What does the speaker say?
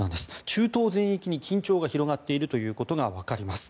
中東全域に緊張が広がっていることが分かります。